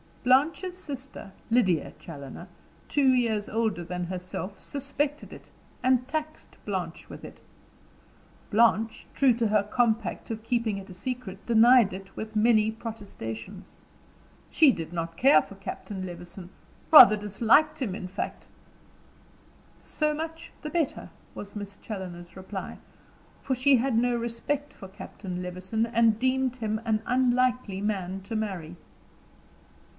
Blanche's sister, Lydia Challoner, two years older than herself suspected it, and taxed Blanche with it. Blanche, true to her compact of keeping it a secret, denied it with many protestations. "She did not care for Captain Levison; rather disliked him, in fact." "So much the better," was Miss Challoner's reply; for she had no respect for Captain Levison, and deemed him an unlikely man to marry.